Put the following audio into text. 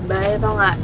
bayet tau nggak